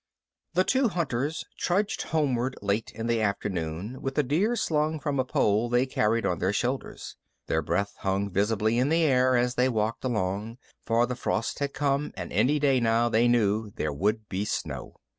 X The two hunters trudged homeward late in the afternoon, with a deer slung from a pole they carried on their shoulders. Their breath hung visibly in the air as they walked along, for the frost had come and any day now, they knew, there would be snow.